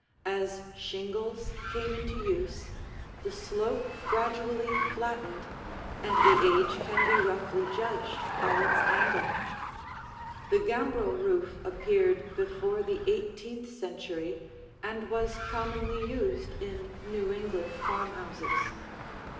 As shingles came into use, the slope gradually flattened, and the age can be roughly judged by its angle. The gambrel roof appeared before the eighteenth century and was commonly used in New England farmhouses.